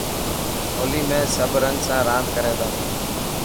هولي ۾ سڀ رنگ سان راند ڪري ٿا.